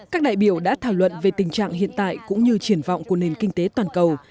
các đại biểu đã thảo luận về tình trạng hiện tại cũng như triển vọng của nền kinh tế toàn cầu